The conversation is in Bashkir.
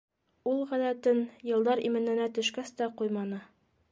Ул ғәҙәтен йылдар именләнә төшкәс тә ҡуйманы.